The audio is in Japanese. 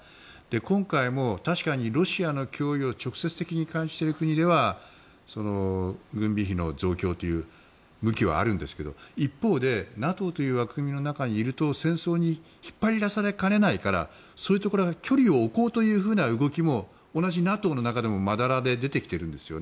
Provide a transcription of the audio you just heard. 今回も確かにロシアの脅威を直接的に感じている国では軍備費の増強という動きはあるんですが一方でＮＡＴＯという枠組みの中にいると戦争に引っ張り出されかねないからそういうところが距離を置こうというような動きも同じＮＡＴＯの中でもまだらで出てきているんです。